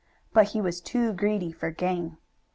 But he was too greedy for gain.